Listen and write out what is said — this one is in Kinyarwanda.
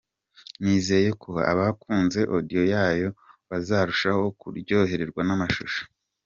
Nizeye ko abakunze Audio yayo bazarushaho kuryoherwa n’amashusho”.